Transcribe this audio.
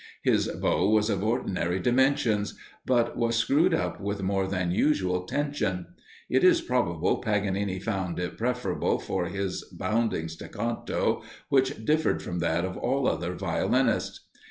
His bow was of ordinary dimensions; but was screwed up with more than usual tension. It is probable Paganini found it preferable for his bounding staccato, which differed from that of all other violinists.